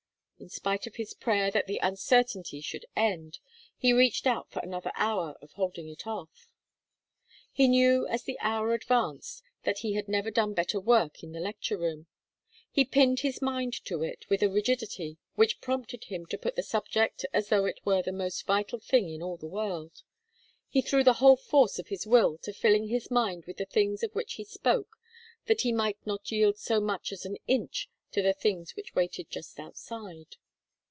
In spite of his prayer that the uncertainty should end, he reached out for another hour of holding it off. He knew as the hour advanced that he had never done better work in the lecture room. He pinned his mind to it with a rigidity which prompted him to put the subject as though it were the most vital thing in all the world. He threw the whole force of his will to filling his mind with the things of which he spoke that he might not yield so much as an inch to the things which waited just outside.